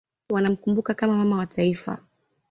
wanamkumbuka kama Mama wa Taifa